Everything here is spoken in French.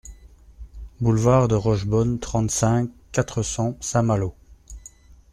Boulevard de Rochebonne, trente-cinq, quatre cents Saint-Malo